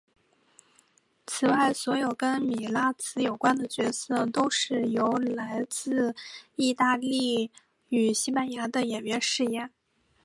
此外所有跟米拉兹有关的角色都是由来自义大利与西班牙的演员饰演。